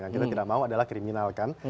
yang kita tidak mau adalah kriminal kan